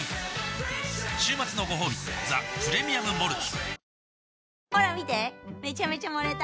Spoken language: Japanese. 週末のごほうび「ザ・プレミアム・モルツ」